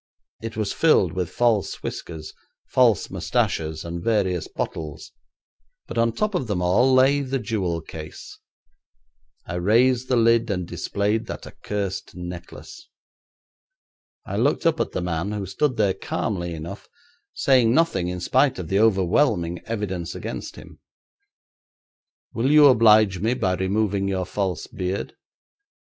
It was filled with false whiskers, false moustaches, and various bottles, but on top of them all lay the jewel case. I raised the lid and displayed that accursed necklace. I looked up at the man, who stood there calmly enough, saying nothing in spite of the overwhelming evidence against him. 'Will you oblige me by removing your false beard?'